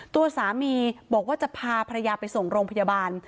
ตัวสามีบอกว่าจะพาภรรยาไปส่งโรงพยาบาล